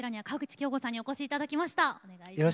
河口恭吾さんにお越しいただきました。